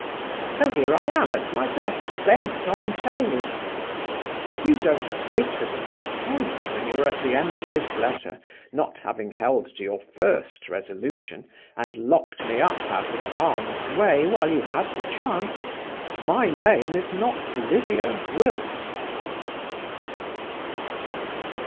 So here I am at my desk, bent on telling it. If you don't bitterly repent, when you are at the end of this letter, not having held to your first resolution, and locked me up out of harm's way while you had the chance, my name is not Lydia Gwilt.